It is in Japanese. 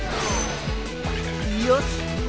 よし！